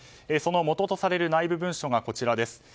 そのもととされる内部文書がこちらです。